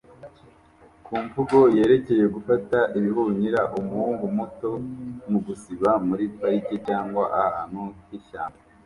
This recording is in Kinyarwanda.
kumvugo yerekeye gufata ibihunyira umuhungu muto mugusiba muri parike cyangwa ahantu h'ishyamba